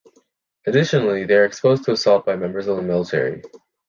Additionally, they are exposed to assault by members of the military.